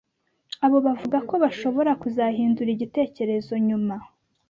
Abo bavuga ko bashobora kuzahindura igitekerezo nyuma,